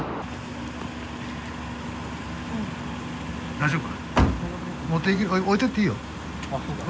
大丈夫か？